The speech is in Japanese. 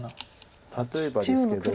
例えばですけど。